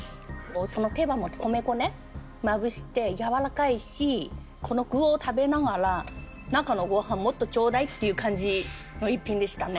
その手羽も米粉ねまぶして軟らかいしこの具を食べながら中のご飯もっとちょうだいっていう感じの一品でしたね